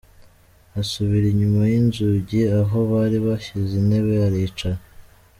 Asubira inyuma y’inzugi aho bari bashyize intebe aricara.